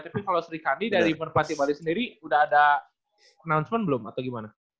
tapi kalau sri kami dari merpasi bali sendiri udah ada announcement belum atau gimana